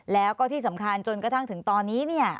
แล้วก็ที่สำคัญจนกระทั่งถึงตอนนี้เนี่ย